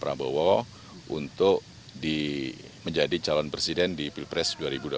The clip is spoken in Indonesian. prabowo untuk menjadi calon presiden di pilpres dua ribu dua puluh